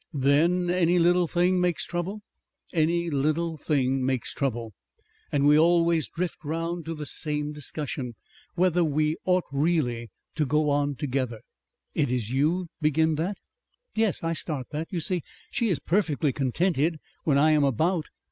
"Then any little thing makes trouble." "Any little thing makes trouble. And we always drift round to the same discussion; whether we ought really to go on together." "It is you begin that?" "Yes, I start that. You see she is perfectly contented when I am about.